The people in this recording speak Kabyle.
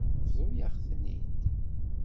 Bḍu-yaɣ-ten-id.